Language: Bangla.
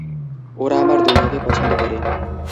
ওরা আমার দুনিয়াকে পছন্দ করে।